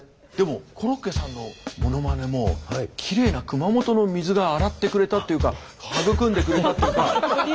でもコロッケさんのものまねもきれいな熊本の水が洗ってくれたというか育んでくれたというか。